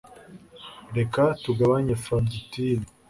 reka tugabanye fagitire